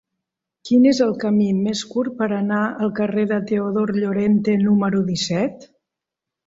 Quin és el camí més curt per anar al carrer de Teodor Llorente número disset?